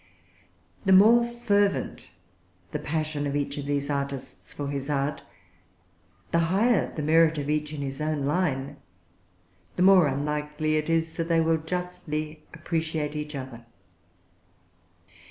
The more fervent the passion of each of these artists for his art, the higher the merit of each in his own line, the more unlikely it is that they will justly appreciate each other.